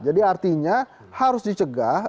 jadi artinya harus dicegah